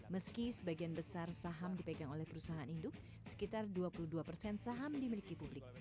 meski sebagian besar saham dipegang oleh perusahaan induk sekitar dua puluh dua persen saham dimiliki publik